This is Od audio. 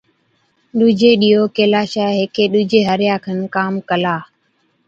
ڏُوجي ڏِيئو ڪيلاشَي هيڪي ڏُوجي هارِيئا کن ڪام ڪلا،